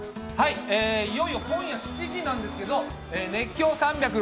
いよいよ今夜７時なんですけど「熱狂！